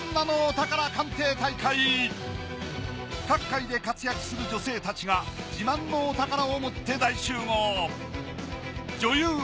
各界で活躍する女性達が自慢のお宝をもって大集合女優